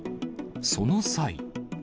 その際。